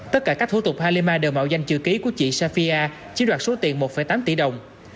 tất cả các thủ tục halima đều mạo danh chữ ký của chị safia chiếm đoạt số tiền một tám tỷ đồng